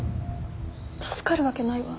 助かるわけないわ。